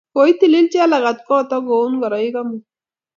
koitilil Jelagat koot ak koun ngoroik omut